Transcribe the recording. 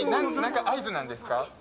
合図なんですか？